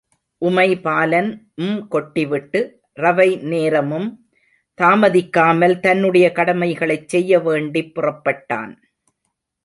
உமைபாலன் ம் கொட்டிவிட்டு, ரவை நேரமும் தாமதிக்காமல் தன்னுடைய கடமைகளைச் செய்யவேண்டிப் புறப்பட்டான்.